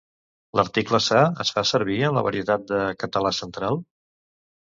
L'article sa es fa servir en la varietat de català central?